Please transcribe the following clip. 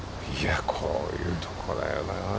こういうところだよな。